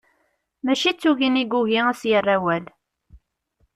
Mačči d tugin i yugi ad as-yerrawal.